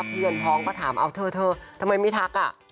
เพื่อนพร้อมก็ถามเอาเธอทำไมไม่ทักอ่ะ